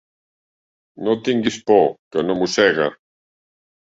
No tinguis por, que no mossega!